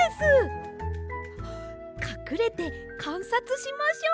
かくれてかんさつしましょう。